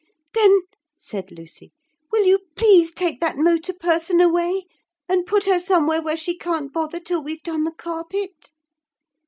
'Then,' said Lucy, 'will you please take that motor person away and put her somewhere where she can't bother till we've done the carpet?'